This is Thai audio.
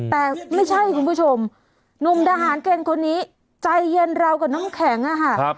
แต่ไม่ใช่คุณผู้ชมหนุ่มทหารเกณฑ์คนนี้ใจเย็นเรากับน้ำแข็งอะค่ะ